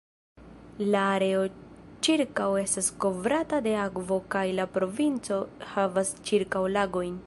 El areo ĉirkaŭ estas kovrata de akvo kaj la provinco havas ĉirkaŭ lagojn.